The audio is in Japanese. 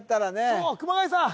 そう熊谷さん